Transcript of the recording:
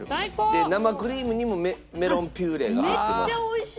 で生クリームにもメロンピューレが入ってます。